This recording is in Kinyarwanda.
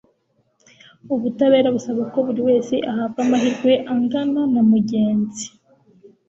ubutabera busaba ko buri wese ahabwa amahirwe angana na mugenzi